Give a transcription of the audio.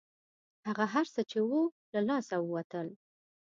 هغه هر څه چې وو له لاسه ووتل.